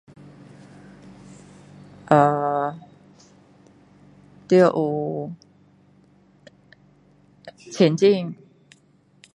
呃要有前进